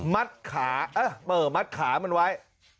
ขามัดขามันไว้